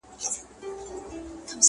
o چي خداى ئې در کوي، بټل ئې يار دئ٫